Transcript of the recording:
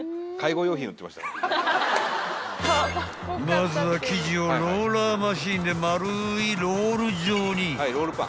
［まずは生地をローラーマシンで丸いロール状に］